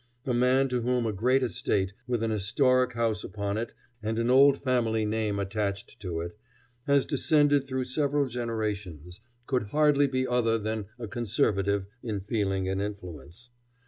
A man to whom a great estate, with an historic house upon it and an old family name attached to it, has descended through several generations, could hardly be other than a conservative in feeling and influence.